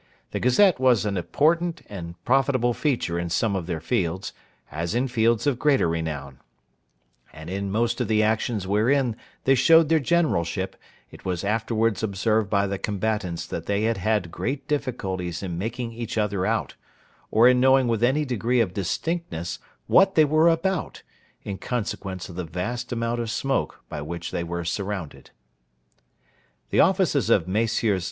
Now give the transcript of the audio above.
The Gazette was an important and profitable feature in some of their fields, as in fields of greater renown; and in most of the Actions wherein they showed their generalship, it was afterwards observed by the combatants that they had had great difficulty in making each other out, or in knowing with any degree of distinctness what they were about, in consequence of the vast amount of smoke by which they were surrounded. The offices of Messrs.